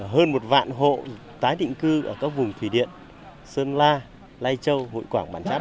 hơn một vạn hộ tái định cư ở các vùng thủy điện sơn la lai châu hội quảng bản tháp